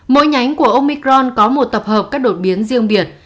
mỗi nhánh của omicron có một tập hợp các đột biến riêng biệt